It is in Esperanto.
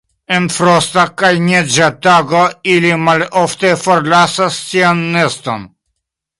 En frosta kaj neĝa tago ili malofte forlasas sian neston.